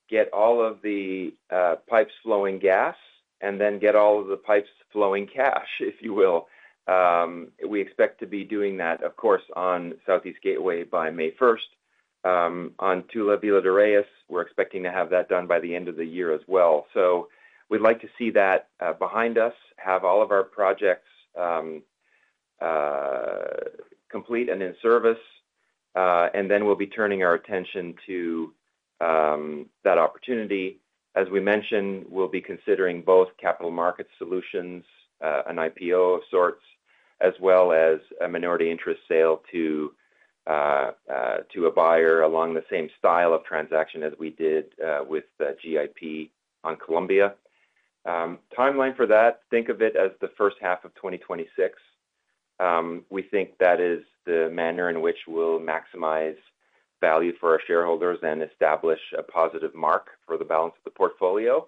get all of the pipes flowing gas and then get all of the pipes flowing cash, if you will. We expect to be doing that, of course, on Southeast Gateway by May 1. On Tula-Villa de Reyes, we're expecting to have that done by the end of the year as well. So we'd like to see that behind us, have all of our projects complete and in service, and then we'll be turning our attention to that opportunity. As we mentioned, we'll be considering both capital market solutions, an IPO of sorts, as well as a minority interest sale to a buyer along the same style of transaction as we did with GIP on Columbia. Timeline for that, think of it as the first half of 2026. We think that is the manner in which we'll maximize value for our shareholders and establish a positive mark for the balance of the portfolio,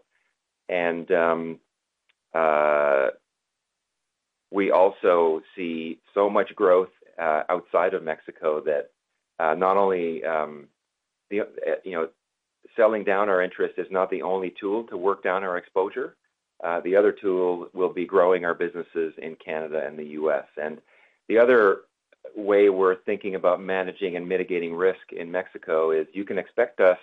and we also see so much growth outside of Mexico that not only selling down our interest is not the only tool to work down our exposure. The other tool will be growing our businesses in Canada and the U.S. And the other way we're thinking about managing and mitigating risk in Mexico is you can expect us,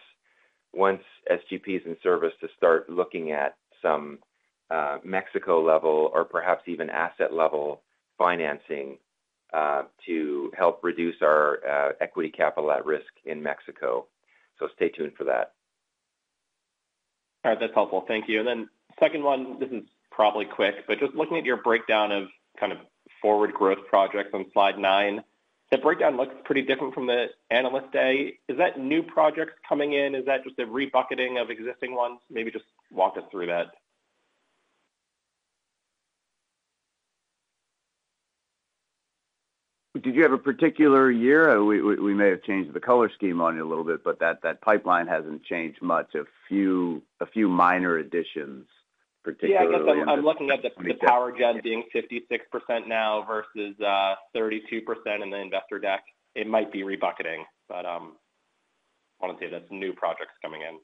once SGP is in service, to start looking at some Mexico-level or perhaps even asset-level financing to help reduce our equity capital at risk in Mexico, so stay tuned for that. All right. That's helpful. Thank you. And then the second one, this is probably quick, but just looking at your breakdown of kind of forward growth projects on slide nine, that breakdown looks pretty different from the Analyst Day. Is that new projects coming in? Is that just a rebucketing of existing ones? Maybe just walk us through that. Did you have a particular year? We may have changed the color scheme on you a little bit, but that pipeline hasn't changed much. A few minor additions, particularly. Yeah, I guess I'm looking at the power gen being 56% now versus 32% in the investor deck. It might be rebucketing, but I want to say that's new projects coming in.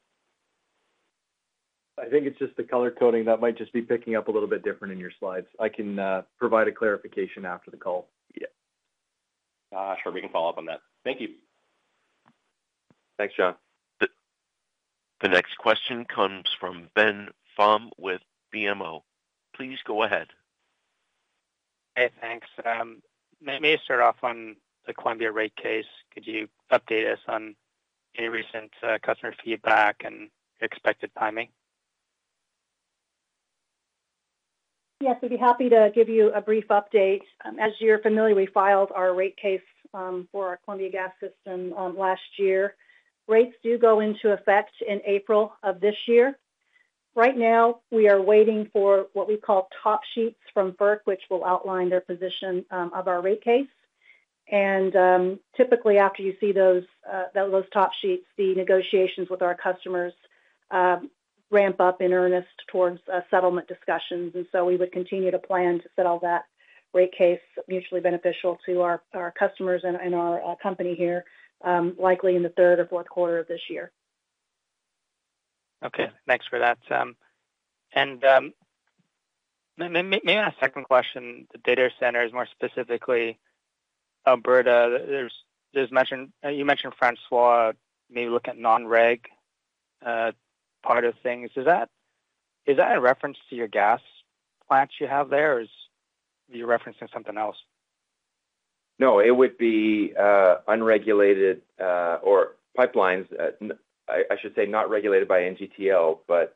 I think it's just the color coding. That might just be picking up a little bit different in your slides. I can provide a clarification after the call. Yeah. Sure. We can follow up on that. Thank you. Thanks, John. The next question comes from Ben Pham with BMO. Please go ahead. Hey, thanks. May I start off on the Columbia rate case? Could you update us on any recent customer feedback and expected timing? Yes, we'd be happy to give you a brief update. As you're familiar, we filed our rate case for our Columbia Gas system last year. Rates do go into effect in April of this year. Right now, we are waiting for what we call top sheets from FERC, which will outline their position of our rate case. And typically, after you see those top sheets, the negotiations with our customers ramp up in earnest towards settlement discussions. And so we would continue to plan to settle that rate case mutually beneficial to our customers and our company here, likely in the third or fourth quarter of this year. Okay. Thanks for that. And maybe my second question, the data centers, more specifically, Alberta, you mentioned François, maybe look at non-reg part of things. Is that a reference to your gas plants you have there, or are you referencing something else? No, it would be unregulated oil pipelines, I should say, not regulated by NGTL, but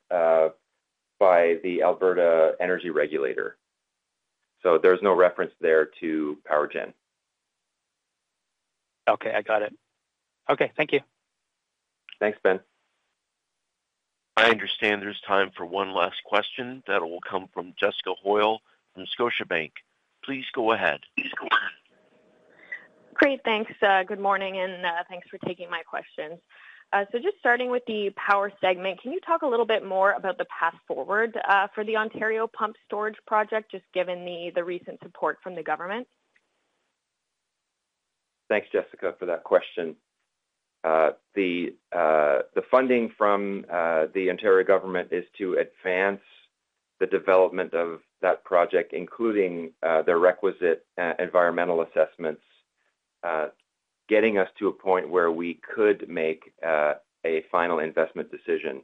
by the Alberta Energy Regulator. So there's no reference there to power gen. Okay. I got it. Okay. Thank you. Thanks, Ben. I understand there's time for one last question. That will come from Jessica Hoyle from Scotiabank. Please go ahead. Great. Thanks. Good morning, and thanks for taking my questions. So just starting with the power segment, can you talk a little bit more about the path forward for the Ontario Pumped Storage Project, just given the recent support from the government? Thanks, Jessica, for that question. The funding from the Ontario government is to advance the development of that project, including the requisite environmental assessments, getting us to a point where we could make a final investment decision.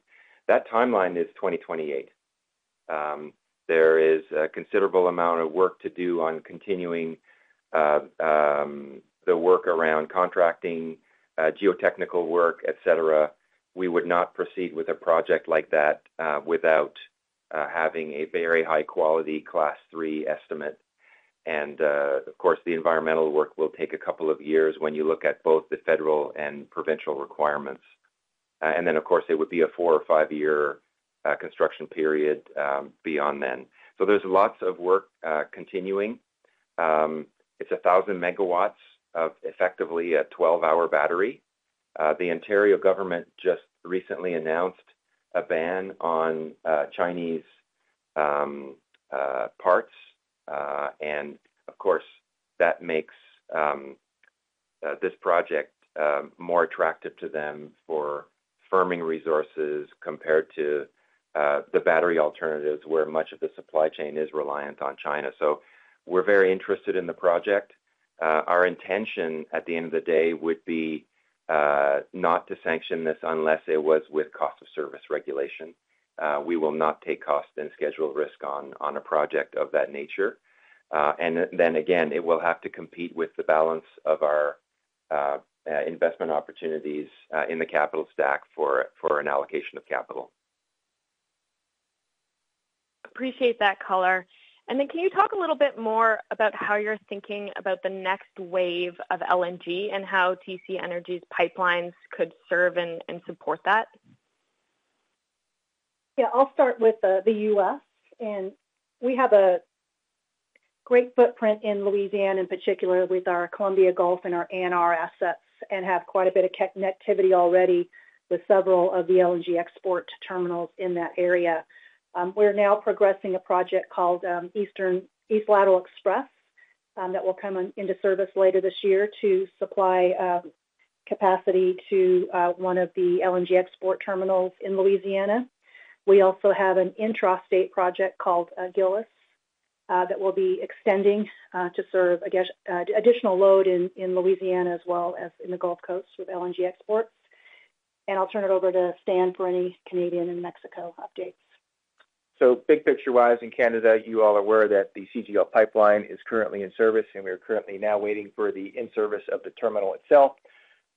That timeline is 2028. There is a considerable amount of work to do on continuing the work around contracting, geotechnical work, etc. We would not proceed with a project like that without having a very high-quality Class 3 estimate, and of course, the environmental work will take a couple of years when you look at both the federal and provincial requirements, and then, of course, it would be a four- or five-year construction period beyond then, so there's lots of work continuing. It's 1,000 megawatts of effectively a 12-hour battery. The Ontario government just recently announced a ban on Chinese parts. Of course, that makes this project more attractive to them for firming resources compared to the battery alternatives where much of the supply chain is reliant on China. We're very interested in the project. Our intention at the end of the day would be not to sanction this unless it was with cost of service regulation. We will not take cost and schedule risk on a project of that nature. Then again, it will have to compete with the balance of our investment opportunities in the capital stack for an allocation of capital. Appreciate that, Corey. And then can you talk a little bit more about how you're thinking about the next wave of LNG and how TC Energy's pipelines could serve and support that? Yeah. I'll start with the U.S., and we have a great footprint in Louisiana, in particular, with our Columbia Gulf and our ANR assets and have quite a bit of connectivity already with several of the LNG export terminals in that area. We're now progressing a project called East Lateral XPress that will come into service later this year to supply capacity to one of the LNG export terminals in Louisiana. We also have an intra-state project called Gillis that will be extending to serve additional load in Louisiana as well as in the Gulf Coast with LNG exports, and I'll turn it over to Stan for any Canadian and Mexico updates. So big picture-wise, in Canada, you all are aware that the CGL pipeline is currently in service, and we are currently now waiting for the in-service of the terminal itself.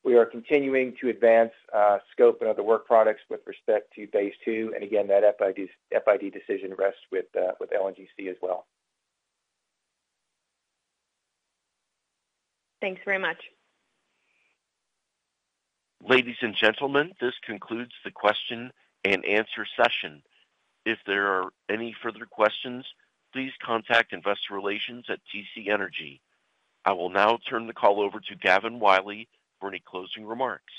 We are continuing to advance scope and other work products with respect to phase two. And again, that FID decision rests with LNGC as well. Thanks very much. Ladies and gentlemen, this concludes the question and answer session. If there are any further questions, please contact Investor Relations at TC Energy. I will now turn the call over to Gavin Wylie for any closing remarks.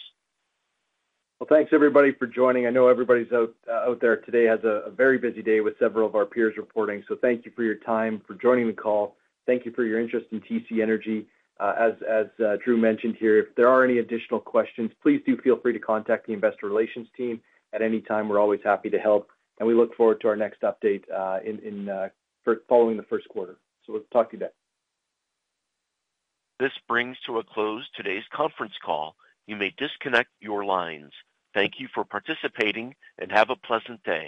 Thanks, everybody, for joining. I know everybody out there today has a very busy day with several of our peers reporting. Thank you for your time, for joining the call. Thank you for your interest in TC Energy. As Drew mentioned here, if there are any additional questions, please do feel free to contact the Investor Relations team at any time. We're always happy to help. We look forward to our next update following the first quarter. We'll talk to you then. This brings to a close today's conference call. You may disconnect your lines. Thank you for participating, and have a pleasant day.